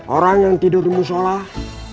orang yang tidur di rumah sholah